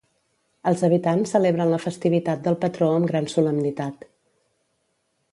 Els habitants celebren la festivitat del patró amb gran solemnitat.